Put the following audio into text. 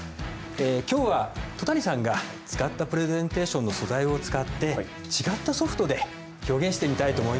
今日は戸谷さんが使ったプレゼンテーションの素材を使って違ったソフトで表現してみたいと思います。